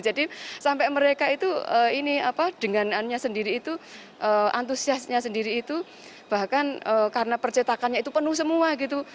jadi sampai mereka itu ini apa denganannya sendiri itu antusiasnya sendiri itu bahkan karena percetakannya itu penuh semua gitu